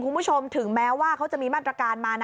คุณผู้ชมถึงแม้ว่าเขาจะมีมาตรการมานะ